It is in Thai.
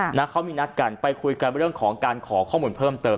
นะเขามีนัดกันไปคุยกันเรื่องของการขอข้อมูลเพิ่มเติม